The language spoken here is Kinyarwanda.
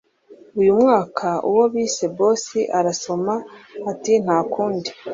uyu mwaka uwo bise boss arasoma ati ntakundi